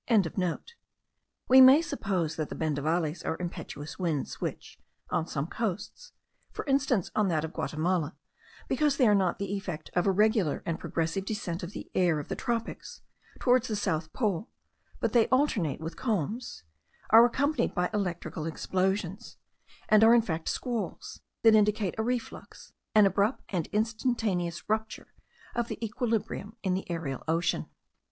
We may suppose that the bendavales are impetuous winds which, on some coasts, for instance on that of Guatimala, (because they are not the effect of a regular and progressive descent of the air of the tropics towards the south pole, but they alternate with calms), are accompanied by electrical explosions, and are in fact squalls, that indicate a reflux, an abrupt and instantaneous rupture, of equilibrium in the aerial ocean.